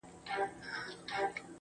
چي دا مدارج طبیعی ارتقاء کوي